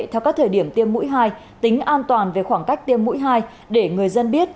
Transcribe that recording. theo các thời điểm tiêm mũi hai tính an toàn về khoảng cách tiêm mũi hai để người dân biết